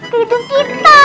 ke hidup kita